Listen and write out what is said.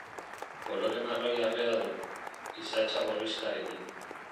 Kolore marroi-arrea du, isatsa gorrixkarekin.